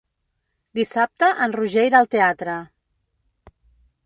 Dissabte en Roger irà al teatre.